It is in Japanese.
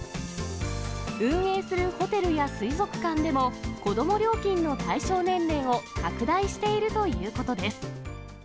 運営するホテルや水族館でも、子ども料金の対象年齢を拡大しているということです。